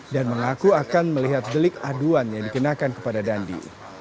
dan mengaku akan melihat gelik aduan yang dikenakan kepada dandi